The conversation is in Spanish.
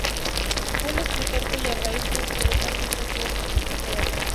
Fue un escritor cuya raíz folclórica siempre estuvo presente en su obra.